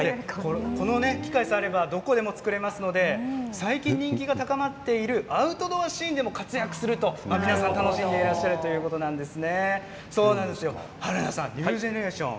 この機械さえあればどこでも作れますので最近、人気が高まっているアウトドアシーンでも活躍すると皆さん楽しんでいらっしゃるということなんですが春名さんニュージェネレーション